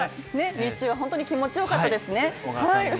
日中は本当に気持ちよかったですね。